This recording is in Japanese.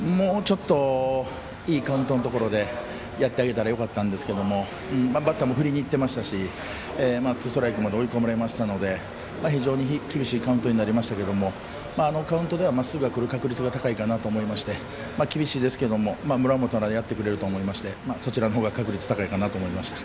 もうちょっといいカウントのところでやってあげたらよかったんですがバッターも振りにいってましたしツーストライクまで追い込まれましたので非常に厳しいカウントでしたがあのカウントではまっすぐがくる確率が高いと思って厳しいですが、村本ならやってくれると思いましてそちらの方が確率が高いかなと思いました。